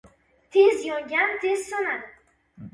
• Tez yongan tez so‘nadi.